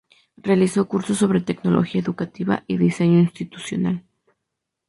Realizó cursos sobre tecnología educativa y diseño institucional.